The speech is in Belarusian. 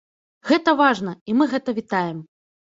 Гэта важна, і мы гэта вітаем.